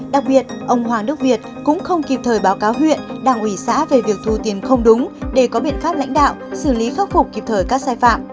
đặc biệt ông hoàng đức việt cũng không kịp thời báo cáo huyện đảng ủy xã về việc thu tiền không đúng để có biện pháp lãnh đạo xử lý khắc phục kịp thời các sai phạm